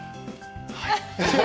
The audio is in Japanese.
はい。